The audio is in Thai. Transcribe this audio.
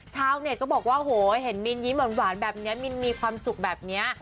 ชาวเน็ตก็บอกว่าโหเห็นมินยิ้มหวานแบบนี้มินมีความสุขแบบนี้